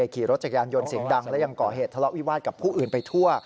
ขี่รถจักรยานยนต์เสียงดังและยังก่อเหตุทะเลาะวิวาสกับผู้อื่นไปทั่ว